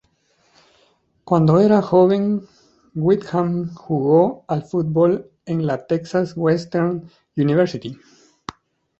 Cuando era joven, Windham jugó al fútbol en la Texas Western University.